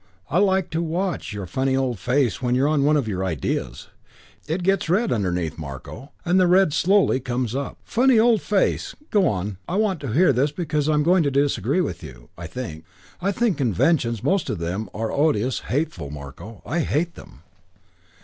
I like to watch your funny old face when you're on one of your ideas. It gets red underneath, Marko, and the red slowly comes up. Funny old face! Go on. I want to hear this because I'm going to disagree with you, I think. I think conventions, most of them, are odious, hateful, Marko. I hate them."